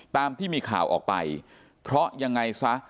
ตามที่มีข่าวออกไปเพราะยังไงซะ